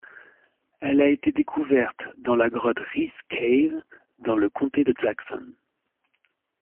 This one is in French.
Elle a été découverte dans la grotte Reece Cave dans le comté de Jackson.